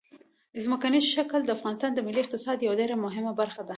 ځمکنی شکل د افغانستان د ملي اقتصاد یوه ډېره مهمه برخه ده.